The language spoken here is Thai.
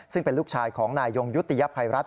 ซึ่งเป็นลูกชายของนายยงยุติยภัยรัฐ